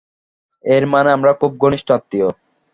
এরমানে আমরা খুব ঘনিষ্ঠ আত্মীয়!